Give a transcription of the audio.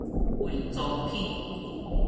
畫妝品